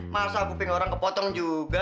masa kuping orang kepotong juga